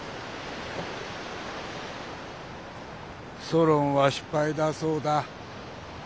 ソロンは失敗だそうだ。